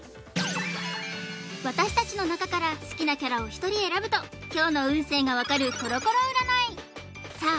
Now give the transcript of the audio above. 私たちの中から好きなキャラを１人選ぶと今日の運勢が分かるコロコロ占いさあ